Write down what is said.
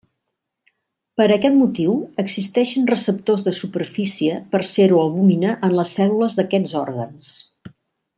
Per aquest motiu existeixen receptors de superfície per seroalbúmina en les cèl·lules d'aquests òrgans.